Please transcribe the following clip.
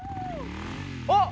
あっ！